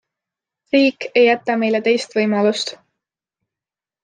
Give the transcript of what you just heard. Riik ei jäta meile teist võimalust.